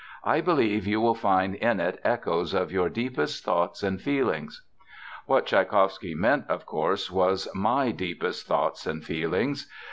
"I believe you will find in it echoes of your deepest thoughts and feelings." What Tschaikowsky meant, of course, was "my deepest thoughts and feelings."